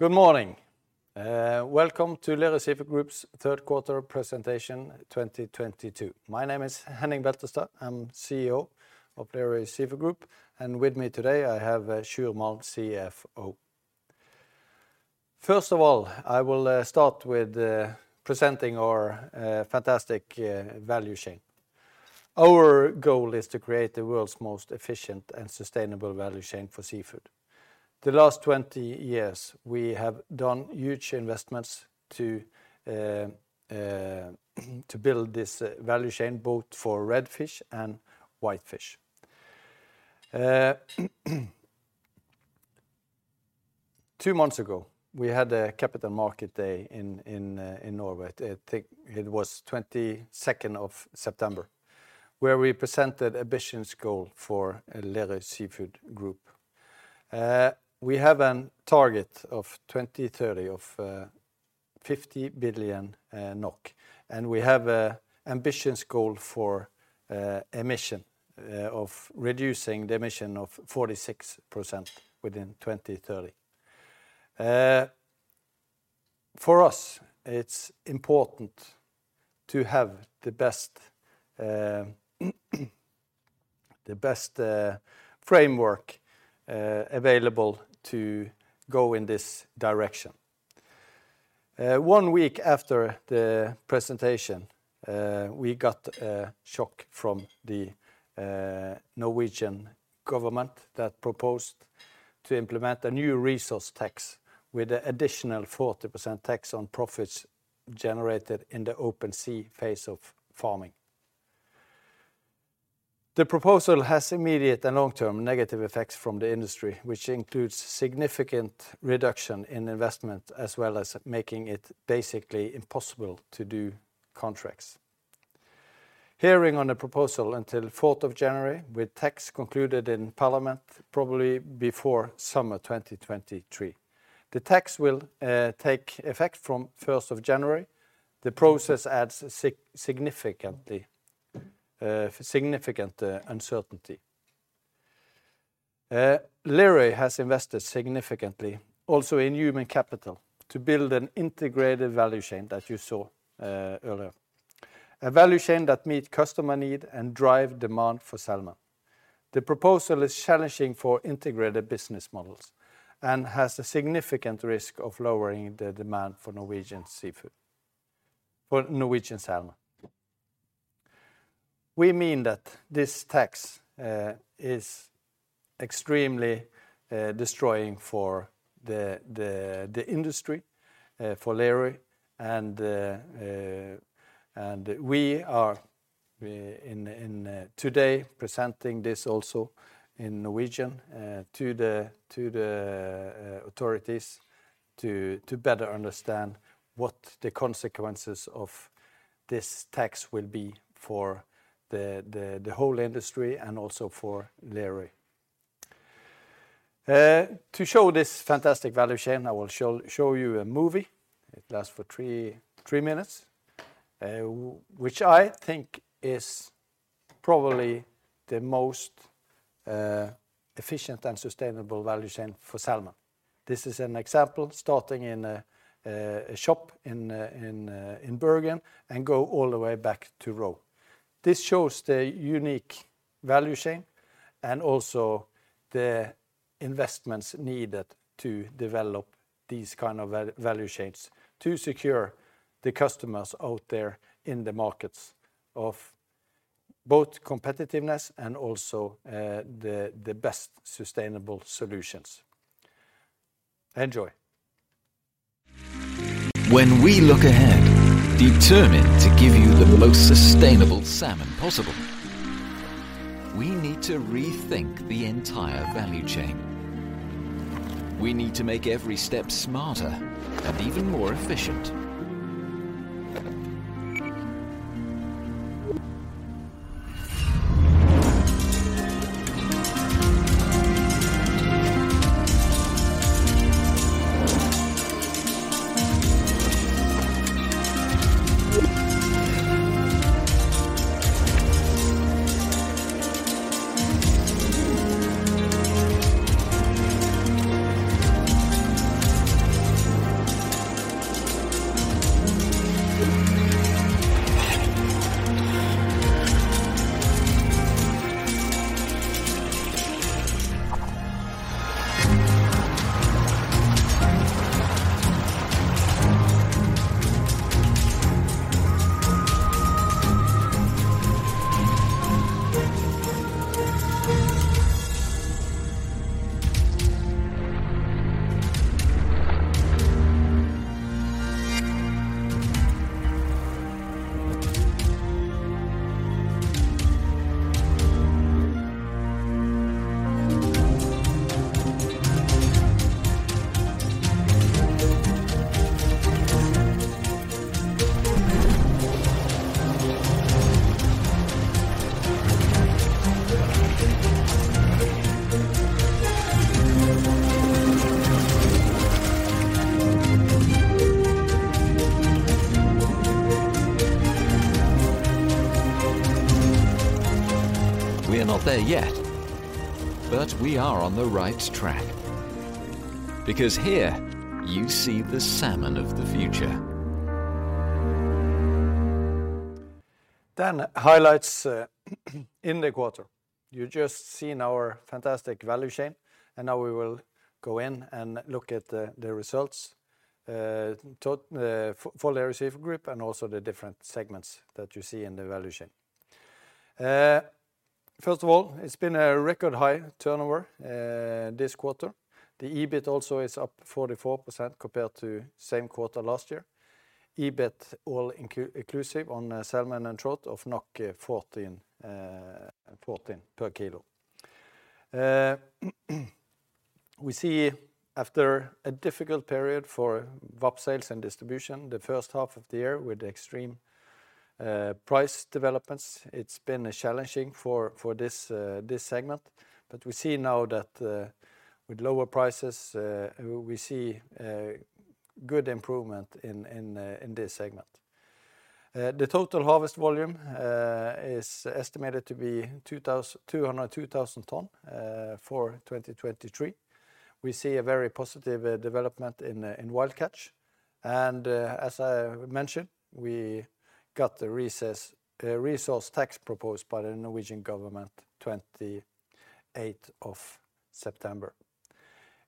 Good morning. Welcome to Lerøy Seafood Group's third quarter presentation 2022. My name is Henning Beltestad. I'm CEO of Lerøy Seafood Group, and with me today I have Sjur Malm, CFO. First of all, I will start with presenting our fantastic value chain. Our goal is to create the world's most efficient and sustainable value chain for seafood. The last 20 years, we have done huge investments to build this value chain, both for red fish and white fish. Two months ago, we had a capital market day in Norway. I think it was 22nd of September, where we presented ambitious goal for Lerøy Seafood Group. We have a target of 2030 of 50 billion NOK, and we have an ambitious goal for reducing emissions by 46% within 2030. For us, it's important to have the best framework available to go in this direction. One week after the presentation, we got a shock from the Norwegian government that proposed to implement a new resource tax with an additional 40% tax on profits generated in the open sea phase of farming. The proposal has immediate and long-term negative effects for the industry, which includes significant reduction in investment, as well as making it basically impossible to do contracts. Hearing on the proposal until 4th of January, with the tax concluded in parliament probably before summer 2023. The tax will take effect from 1st of January. The process adds significant uncertainty. Lerøy has invested significantly also in human capital to build an integrated value chain that you saw earlier, a value chain that meet customer need and drive demand for salmon. The proposal is challenging for integrated business models and has a significant risk of lowering the demand for Norwegian salmon. We mean that this tax is extremely destroying for the industry for Lerøy and we are today presenting this also in Norwegian to the authorities to better understand what the consequences of this tax will be for the whole industry and also for Lerøy. To show this fantastic value chain, I will show you a movie. It lasts for three minutes, which I think is probably the most efficient and sustainable value chain for salmon. This is an example starting in a shop in Bergen and go all the way back to roe. This shows the unique value chain and also the investments needed to develop these kinds of value chains to secure the customers out there in the markets of both competitiveness and also the best sustainable solutions. Enjoy. When we look ahead, determined to give you the most sustainable salmon possible, we need to rethink the entire value chain. We need to make every step smarter and even more efficient. We are not there yet, but we are on the right track because here you see the salmon of the future. Highlights in the quarter. You just seen our fantastic value chain, and now we will go in and look at the results for the Lerøy Seafood Group and also the different segments that you see in the value chain. First of all, it's been a record high turnover this quarter. The EBIT also is up 44% compared to same quarter last year. EBIT all-inclusive on salmon and trout of NOK 14 per kilo. We see after a difficult period for VAP Sales and Distribution, the first half of the year with extreme price developments, it's been challenging for this segment. We see now that with lower prices. We see a good improvement in this segment. The total harvest volume is estimated to be 202,000 ton for 2023. We see a very positive development in Wild Catch. As I mentioned, we got the resource tax proposed by the Norwegian government 28th of September.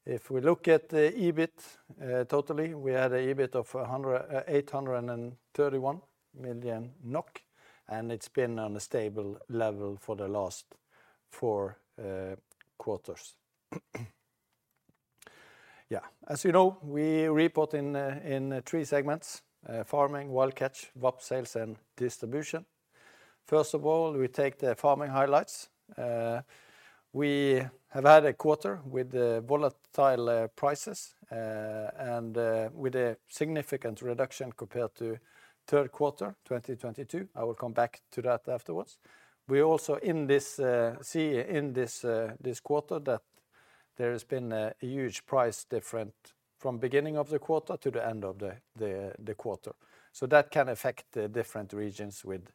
If we look at the EBIT, totally, we had an EBIT of 831 million NOK, and it's been on a stable level for the last four quarters. As you know, we report in three segments, Farming, Wild Catch, VAP, Sales and Distribution. First of all, we take the Farming highlights. We have had a quarter with volatile prices and with a significant reduction compared to third quarter 2022. I will come back to that afterwards. We also in this see in this this quarter that there has been a huge price difference from beginning of the quarter to the end of the quarter. That can affect the different regions with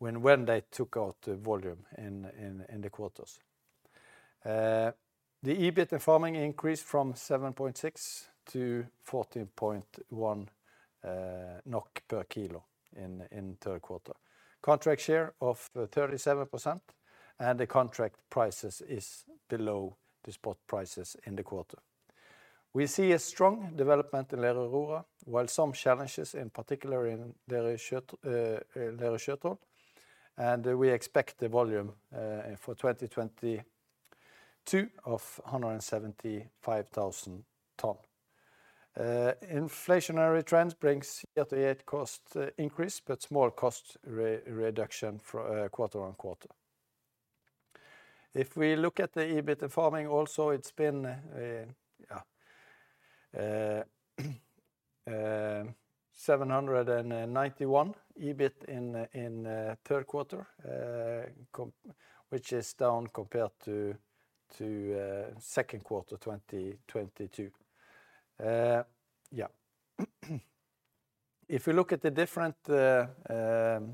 when they took out the volume in the quarters. The EBIT in farming increased from 7.6 to 14.1 NOK per kilo in third quarter. Contract share of 37% and the contract prices is below the spot prices in the quarter. We see a strong development in Lerøy Aurora, while some challenges in particular in the Lerøy Sjøtroll. We expect the volume for 2022 of 175,000 ton. Inflationary trends bring year-to-date cost increase, but small cost reduction for quarter-on-quarter. If we look at the EBIT farming also, it's been 791 million EBIT in third quarter, which is down compared to second quarter 2022. If you look at the different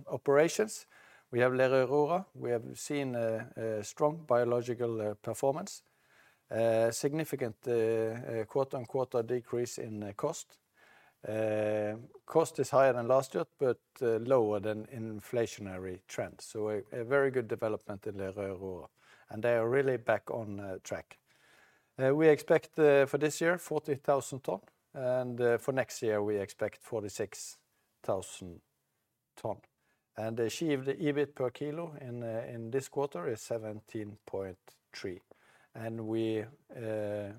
operations, we have Lerøy Aurora. We have seen a strong biological performance, a significant quarter-on-quarter decrease in cost. Cost is higher than last year, but lower than inflationary trends, so a very good development in Lerøy Aurora, and they are really back on track. We expect for this year 40,000 ton, and for next year, we expect 46,000 ton. The achieved EBIT per kilo in this quarter is 17.3.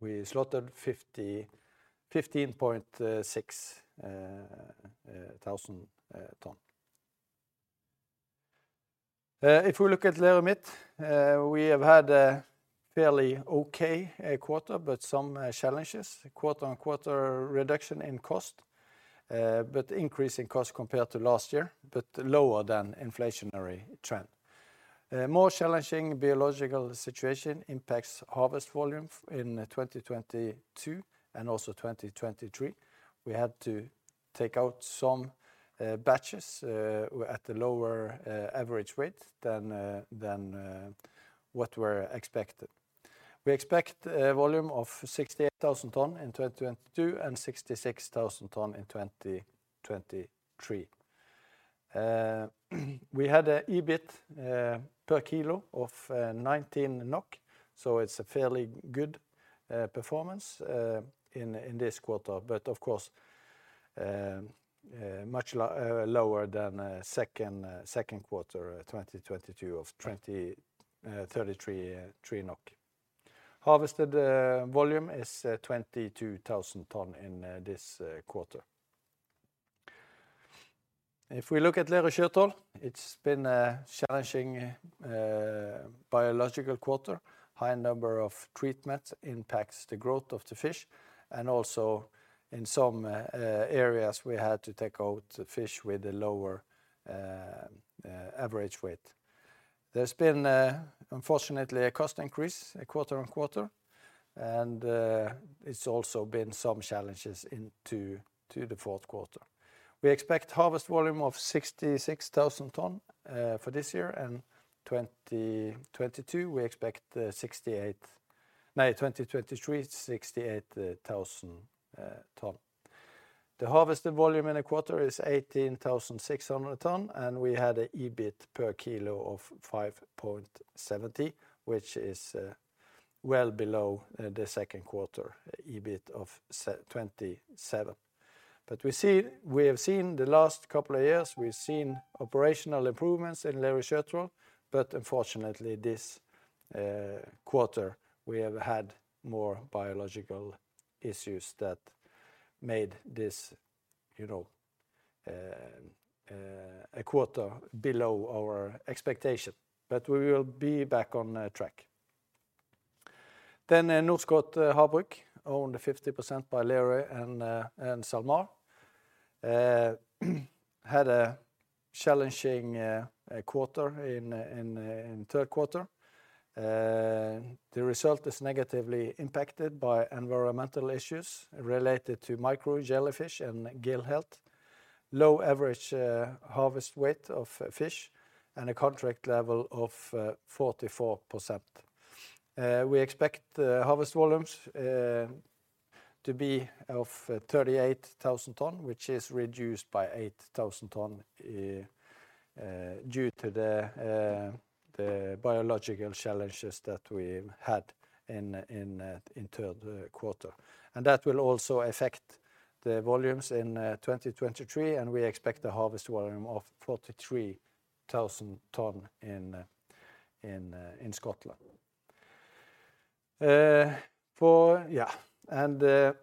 We slaughtered 15,600 tons. If we look at Lerøy Midt, we have had a fairly okay quarter but some challenges. Quarter-on-quarter reduction in cost, but increase in cost compared to last year, but lower than inflationary trend. More challenging biological situation impacts harvest volume in 2022 and also 2023. We had to take out some batches at a lower average weight than what were expected. We expect a volume of 68,000 tons in 2022 and 66,000 tons in 2023. We had an EBIT per kilo of 19 NOK, so it's a fairly good performance in this quarter, but of course much lower than second quarter 2022 of 23. Harvested volume is 22,000 tons in this quarter. If we look at Lerøy Sjøtroll, it's been a challenging biological quarter. High number of treatments impacts the growth of the fish, and also in some areas, we had to take out the fish with a lower average weight. There's been unfortunately a cost increase quarter-on-quarter, and it's also been some challenges into the fourth quarter. We expect harvest volume of 66,000 tons for this year and 2022 we expect 68... No, in 2023, 68,000 tons. The harvested volume in a quarter is 18,600 tons and we had an EBIT per kilo of 5.70, which is well below the second quarter EBIT of 27. The last couple of years, we've seen operational improvements in Lerøy Sjøtroll, but unfortunately this quarter, we have had more biological issues that made this, you know, a quarter below our expectation. We will be back on track. Then in Norskott Havbruk owned 50% by Lerøy and SalMar had a challenging quarter in third quarter. The result is negatively impacted by environmental issues related to micro jellyfish and gill health, low average harvest weight of fish, and a contract level of 44%. We expect the harvest volumes to be 38,000 tons, which is reduced by 8,000 tons due to the biological challenges that we had in third quarter. That will also affect the volumes in 2023, and we expect a harvest volume of 43,000 tons in Scotland.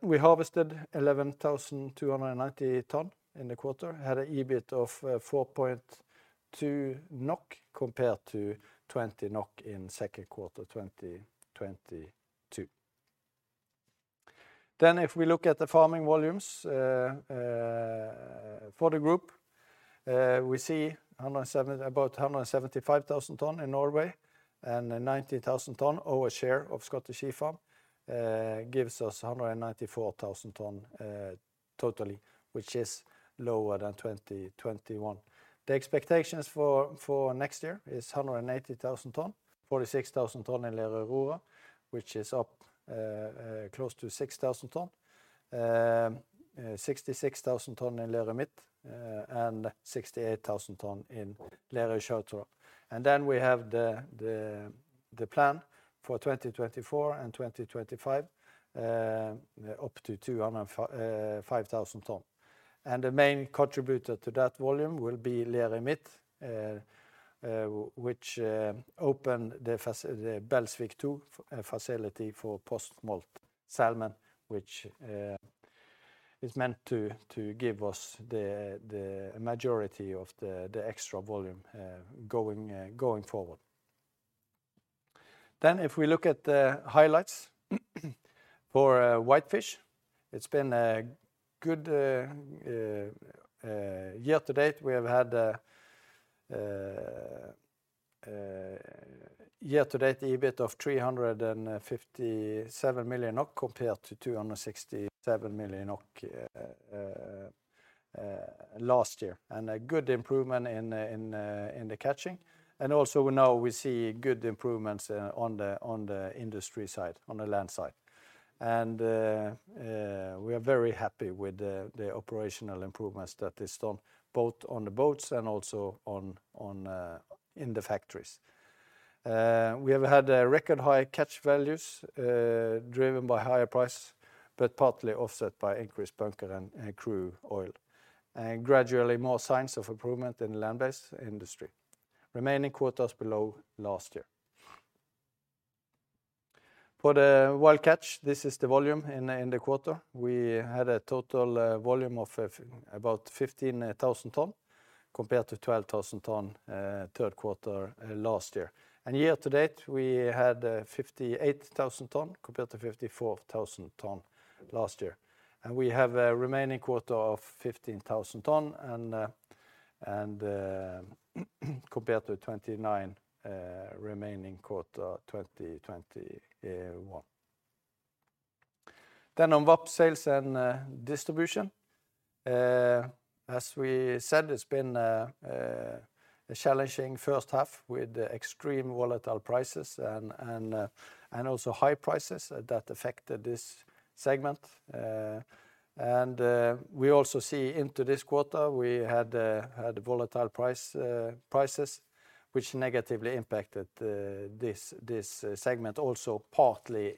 We harvested 11,290 tons in the quarter, had an EBIT of 4.2 NOK compared to 20 NOK in second quarter 2022. If we look at the farming volumes for the group, we see about 175,000 tons in Norway and 90,000 tons our share of Scottish Sea Farms gives us 194,000 tons totally, which is lower than 2021. The expectations for next year is 180,000 tons. 46,000 tons in Lerøy Aurora, which is up close to 6,000 tons. 66,000 tons in Lerøy Midt and 68,000 tons in Lerøy Sjøtroll. We have the plan for 2024 and 2025 up to 205,000 tons. The main contributor to that volume will be Lerøy Midt, which opened the Belsvik 2 facility for post-smolt salmon, which is meant to give us the majority of the extra volume going forward. If we look at the highlights for Whitefish, it's been a good year to date. We have had year to date EBIT of 357 million NOK compared to 267 million NOK last year, and a good improvement in the catching. Also, now we see good improvements on the industry side, on the land side. We are very happy with the operational improvements that is done both on the boats and also in the factories. We have had record high catch values driven by higher prices, but partly offset by increased bunker and crude oil, and gradually more signs of improvement in the land-based industry. Remaining quotas below last year. For the Wild Catch, this is the volume in the quarter. We had a total volume of about 15,000 tons compared to 12,000 tons third quarter last year. Year to date, we had 58,000 tons compared to 54,000 tons last year. We have a remaining quota of 15,000 tons compared to 29,000 tons remaining quota 2021. On VAP Sales and Distribution, as we said, it's been a challenging first half with extreme volatile prices and also high prices that affected this segment. We also see in this quarter we had volatile prices which negatively impacted this segment also partly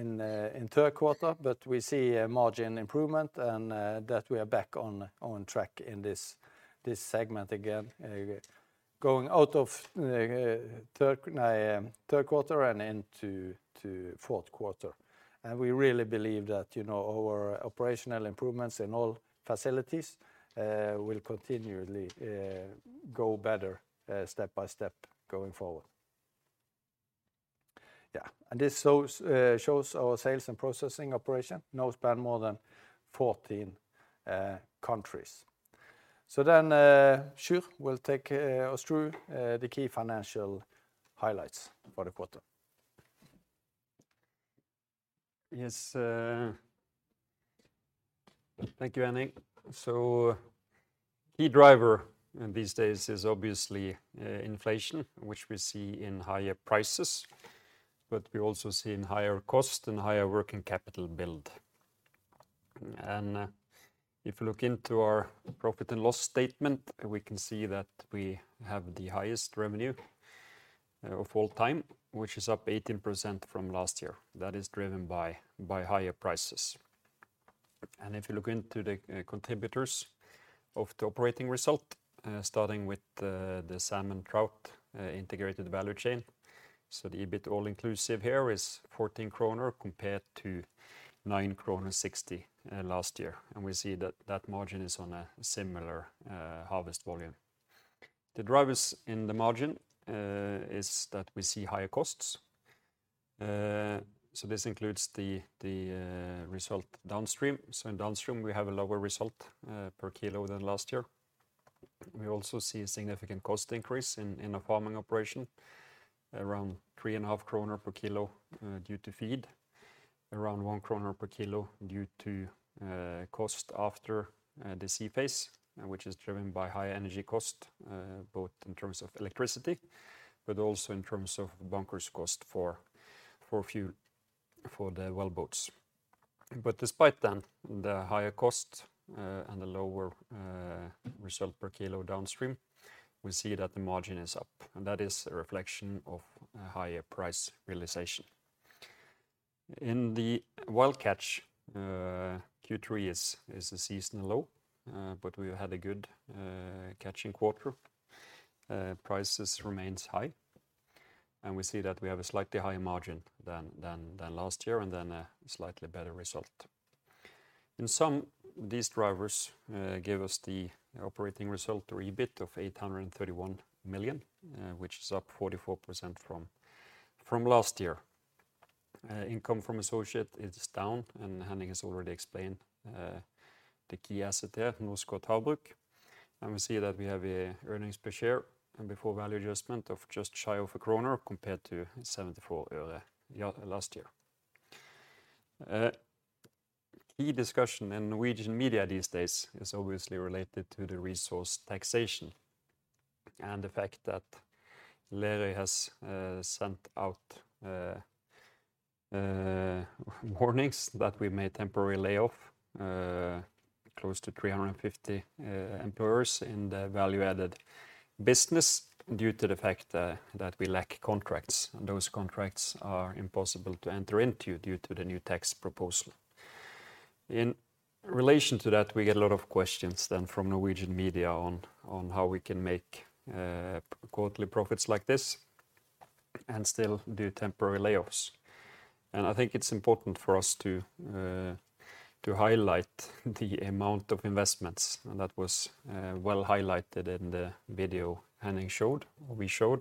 in third quarter. We see a margin improvement and that we are back on track in this segment again, going out of third quarter and into fourth quarter. We really believe that, you know, our operational improvements in all facilities will continually go better step by step going forward. This shows our sales and processing operation now span more than 14 countries. Sjur will take us through the key financial highlights for the quarter. Yes, thank you, Henning. Key driver in these days is obviously inflation, which we see in higher prices, but we also see in higher cost and higher working capital build. If you look into our profit and loss statement, we can see that we have the highest revenue of all time, which is up 18% from last year. That is driven by higher prices. If you look into the contributors of the operating result, starting with the salmon trout integrated value chain. The EBIT all-inclusive here is 14 kroner compared to 9.60 kroner last year. We see that that margin is on a similar harvest volume. The drivers in the margin is that we see higher costs. This includes the result downstream. In downstream, we have a lower result per kilo than last year. We also see a significant cost increase in the Farming operation, around 3.5 kroner per kilo due to feed. Around 1 kroner per kilo due to cost after the sea phase, which is driven by high energy cost both in terms of electricity, but also in terms of bunkers cost for fuel for the well boats. Despite then the higher cost and the lower result per kilo downstream, we see that the margin is up, and that is a reflection of a higher price realization. In the Wild Catch, Q3 is a seasonal low, but we had a good catching quarter. Prices remains high, and we see that we have a slightly higher margin than last year, and then a slightly better result. In sum, these drivers give us the operating result or EBIT of 831 million, which is up 44% from last year. Income from associate is down, and Henning has already explained the key asset there, Norskott Havbruk. We see that we have an earnings per share before value adjustment of just shy of NOK compared to 0.74 last year. Key discussion in Norwegian media these days is obviously related to the resource taxation and the fact that Lerøy has sent out warnings that we may temporarily lay off close to 350 employees in the value-added business due to the fact that we lack contracts, and those contracts are impossible to enter into due to the new tax proposal. In relation to that, we get a lot of questions then from Norwegian media on how we can make quarterly profits like this and still do temporary layoffs. I think it's important for us to highlight the amount of investments, and that was well highlighted in the video we showed.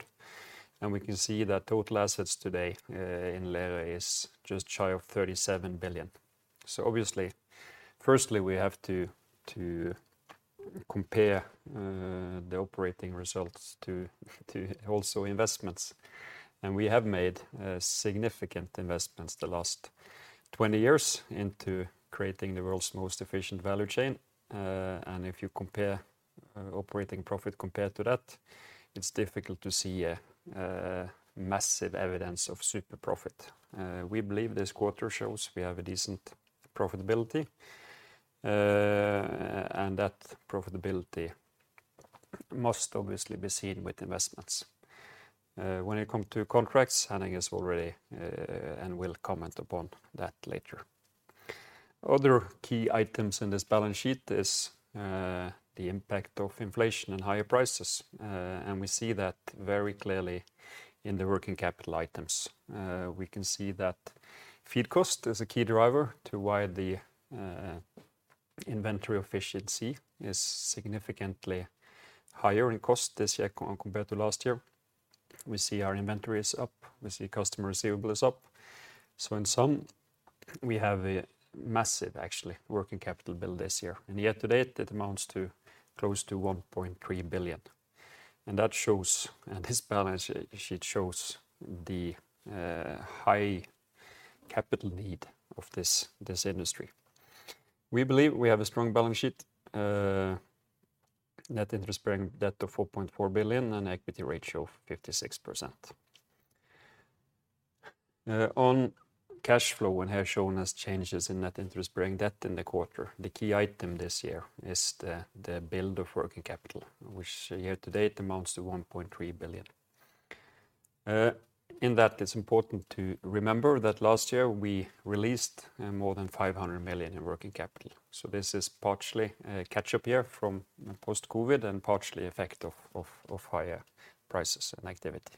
We can see the total assets today in Lerøy is just shy of 37 billion. Obviously, firstly, we have to compare the operating results to also investments. We have made significant investments the last 20 years into creating the world's most efficient value chain. If you compare operating profit compared to that, it's difficult to see massive evidence of super profit. We believe this quarter shows we have a decent profitability, and that profitability must obviously be seen with investments. When it comes to contracts, Henning has already and will comment upon that later. Other key items in this balance sheet is the impact of inflation and higher prices, and we see that very clearly in the working capital items. We can see that feed cost is a key driver to why the inventory efficiency is significantly higher in cost this year compared to last year. We see our inventory is up. We see customer receivable is up. In sum, we have a massive actually working capital build this year. Yet to date, it amounts to close to 1.3 billion. That shows, and this balance sheet shows the high capital need of this industry. We believe we have a strong balance sheet, net interest-bearing debt of 4.4 billion and equity ratio of 56%. On cash flow and have shown us changes in net interest-bearing debt in the quarter. The key item this year is the build of working capital, which year to date amounts to 1.3 billion. In that, it's important to remember that last year we released more than 500 million in working capital. This is partially a catch-up year from post-COVID and partially effect of higher prices and activity.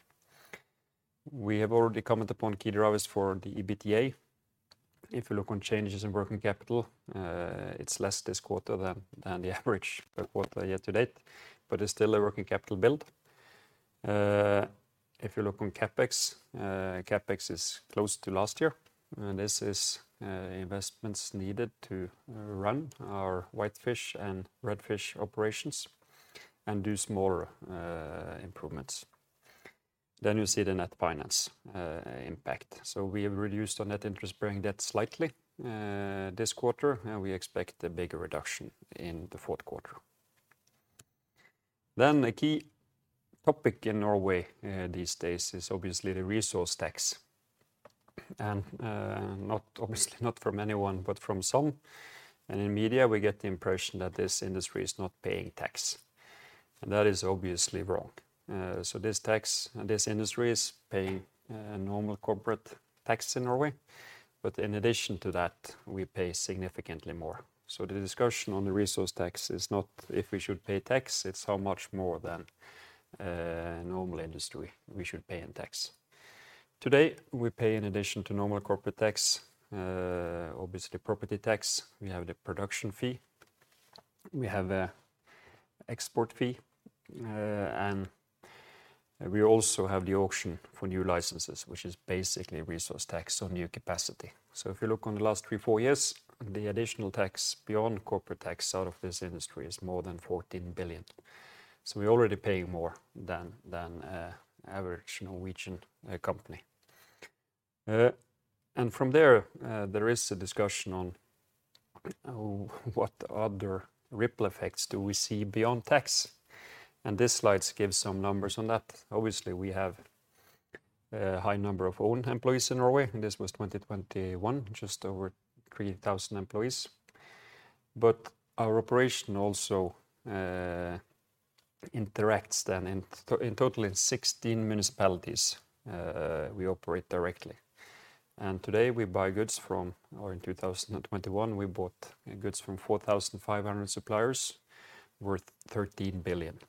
We have already commented upon key drivers for the EBITDA. If you look on changes in working capital, it's less this quarter than the average per quarter yet to date, but it's still a working capital build. If you look on CapEx is close to last year, and this is investments needed to run our whitefish and redfish operations and do some more improvements. You see the net finance impact. We have reduced our net interest-bearing debt slightly this quarter, and we expect a bigger reduction in the fourth quarter. A key topic in Norway these days is obviously the resource tax. Not obviously, not from anyone, but from some. In media, we get the impression that this industry is not paying tax. That is obviously wrong. This industry is paying normal corporate tax in Norway. In addition to that, we pay significantly more. The discussion on the resource tax is not if we should pay tax, it's how much more than normal industry we should pay in tax. Today, we pay in addition to normal corporate tax, obviously property tax, we have the production fee, we have an export fee, and we also have the auction for new licenses, which is basically resource tax on new capacity. If you look on the last three to four years, the additional tax beyond corporate tax out of this industry is more than 14 billion. We're already paying more than average Norwegian company. From there is a discussion on what other ripple effects do we see beyond tax? This slide gives some numbers on that. Obviously, we have a high number of own employees in Norway. This was 2021, just over 3,000 employees. Our operation also interacts in total in 16 municipalities we operate directly. In 2021, we bought goods from 4,500 suppliers worth NOK 13 billion.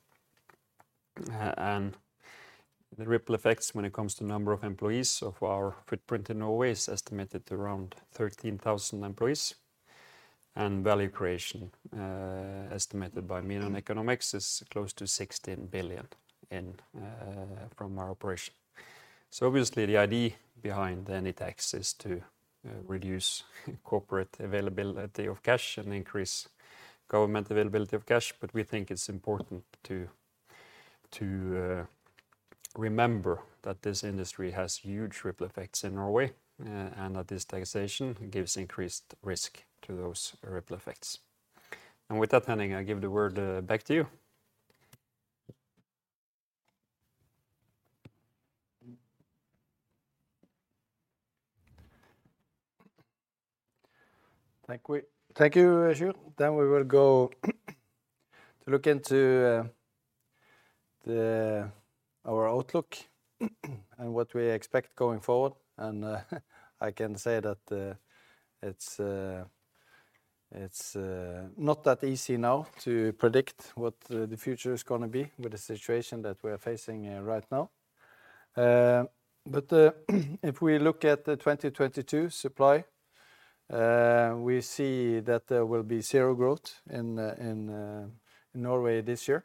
The ripple effects when it comes to number of employees of our footprint in Norway is estimated around 13,000 employees. Value creation estimated by Menon Economics is close to 16 billion from our operation. Obviously, the idea behind any tax is to reduce corporate availability of cash and increase government availability of cash. We think it's important to remember that this industry has huge ripple effects in Norway, and that this taxation gives increased risk to those ripple effects. With that, Henning, I give the word back to you. Thank you, Sjur. We will go to look into our outlook and what we expect going forward. I can say that it's not that easy now to predict what the future is going to be with the situation that we're facing right now. If we look at the 2022 supply, we see that there will be 0% growth in Norway this year.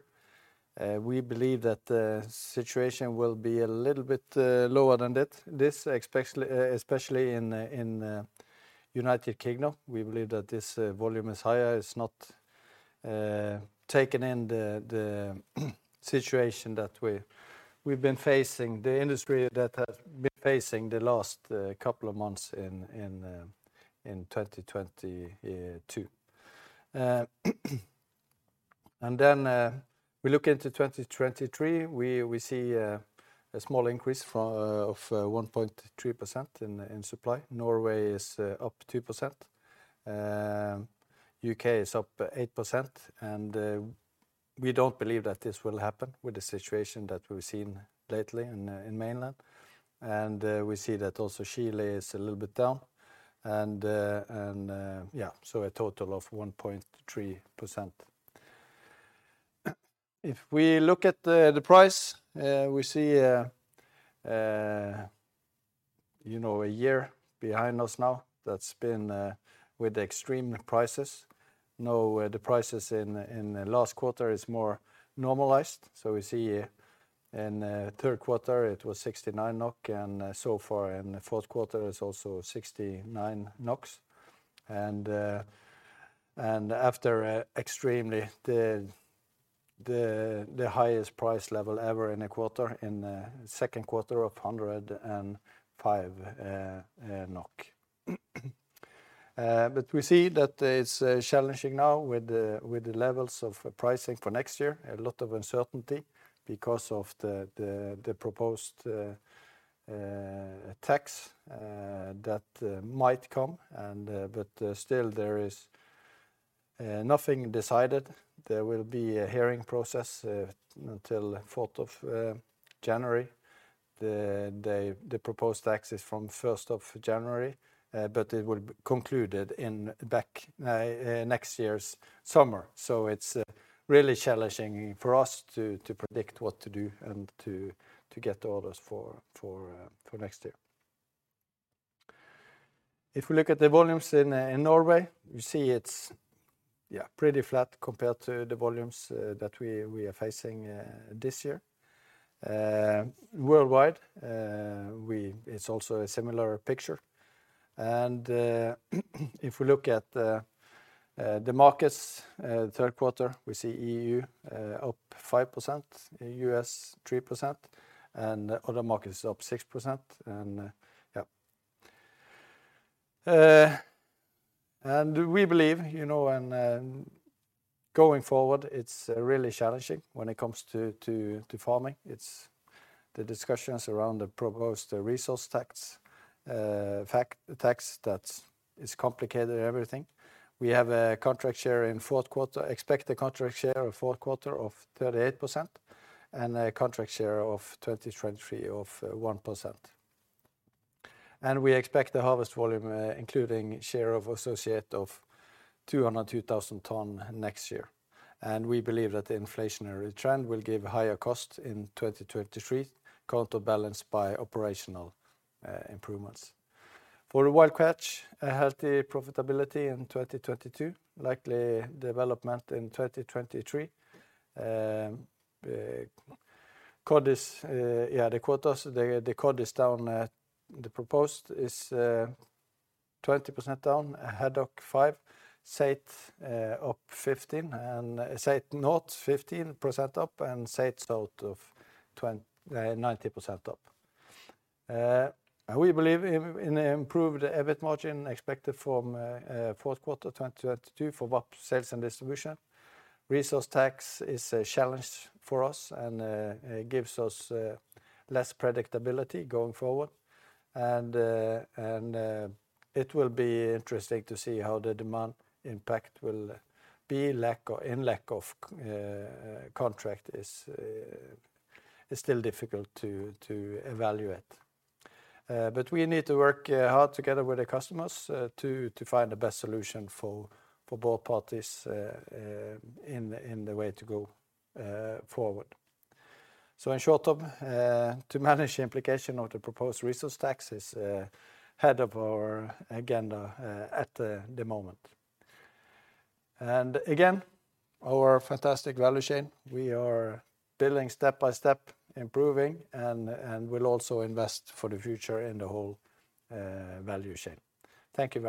We believe that the situation will be a little bit lower than that. This, especially in the United Kingdom. We believe that this volume is higher. It's not taking in the situation that we've been facing, the industry that has been facing the last couple of months in 2022. We look into 2023. We see a small increase of 1.3% in supply. Norway is up 2%. U.K. is up 8%. We don't believe that this will happen with the situation that we've seen lately in mainland. We see that also Chile is a little bit down, so a total of 1.3%. If we look at the price, we see you know a year behind us now that's been with extreme prices. Now the prices in the last quarter is more normalized. We see in third quarter it was 69 NOK, and so far in the fourth quarter it's also NOK 69. After the highest price level ever in the second quarter of 105 NOK. We see that it's challenging now with the levels of pricing for next year. A lot of uncertainty because of the proposed tax that might come, but still there is nothing decided. There will be a hearing process until fourth of January. The proposed tax is from first of January, but it will be concluded in next year's summer. It's really challenging for us to predict what to do and to get orders for next year. If we look at the volumes in Norway, you see it's pretty flat compared to the volumes that we are facing this year. Worldwide, it's also a similar picture. If we look at the markets third quarter, we see EU up 5%, U.S. 3%, and other markets up 6%. We believe, you know, going forward, it's really challenging when it comes to farming. It's the discussions around the proposed resource tax that is complicated everything. We expect a contract share of fourth quarter of 38% and a contract share of 2023 of 1%. We expect the harvest volume, including share of associate, of 202,000 tons next year. We believe that the inflationary trend will give higher cost in 2023, counterbalanced by operational improvements. For the Wild Catch, a healthy profitability in 2022, likely development in 2023. The quotas, the cod is down at, the proposed is 20% down, haddock 5%, saithe up 15%, and saithe north 15% up, and saithe south 90% up. We believe in improved EBIT margin expected from fourth quarter 2022 for VAP, Sales and Distribution. Resource tax is a challenge for us and gives us less predictability going forward. It will be interesting to see how the demand impact will be, or in lack of contract, is still difficult to evaluate. We need to work hard together with the customers to find the best solution for both parties in the way to go forward. In short term, to manage the implication of the proposed resource tax is head of our agenda at the moment. Again, our fantastic value chain, we are building step by step, improving and will also invest for the future in the whole value chain. Thank you very much.